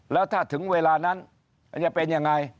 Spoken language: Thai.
แล้วถ้าถึงเวลานั้นมันจะเป็นยังไง